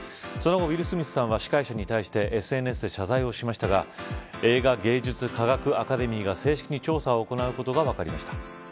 その後、ウィル・スミスさんは司会者に対してＳＮＳで謝罪しましたが映画芸術科学アカデミーが調査を行うことが決まりました。